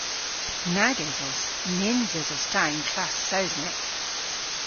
Nag esos. Nyns esos ta y'n klass Sowsnek.